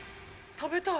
食べたい。